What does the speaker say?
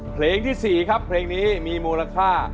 เพลงที่๔ครับเพลงนี้มีมูลค่า